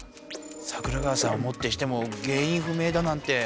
桜川さんをもってしても原いんふ明だなんて。